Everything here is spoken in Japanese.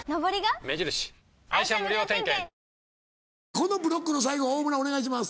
このブロックの最後大村お願いします。